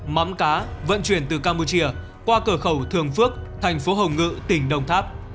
mắm cá vận chuyển từ campuchia qua cửa khẩu thường phước thành phố hồng ngự tỉnh đồng tháp